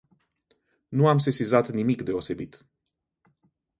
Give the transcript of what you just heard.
Nu am sesizat nimic deosebit.